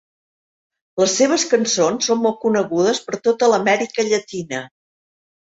Les seves cançons són molt conegudes per tota l'Amèrica Llatina.